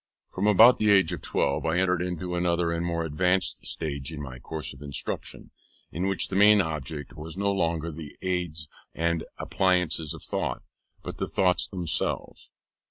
From about the age of twelve, I entered into another and more advanced stage in my course of instruction; in which the main object was no longer the aids and appliances of thought, but the thoughts themselves.